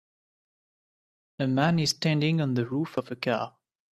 A man is standing on the roof of a car.